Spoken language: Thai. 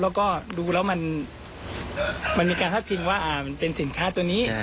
แล้วก็ดูแล้วมันมีการพาดพิงว่ามันเป็นสินค้าตัวนี้